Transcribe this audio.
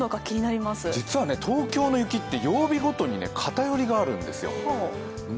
実は東京の雪って曜日ごとに偏りがあるんですよ。